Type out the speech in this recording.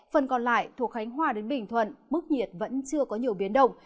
phần còn lại thuộc khánh hòa đến bình thuận mức nhiệt vẫn chưa có nhiều biến động